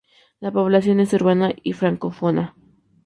La población es urbana y francófona.